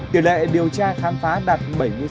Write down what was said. tiểu lệ điều tra khám phá đạt